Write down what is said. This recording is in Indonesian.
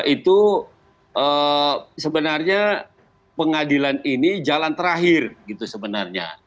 itu sebenarnya pengadilan ini jalan terakhir gitu sebenarnya